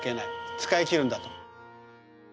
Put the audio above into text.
使い切るんだと。